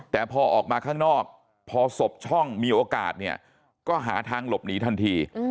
แต่พอออกมาข้างนอกพอศพช่องมีโอกาสเนี่ยก็หาทางหลบหนีทันที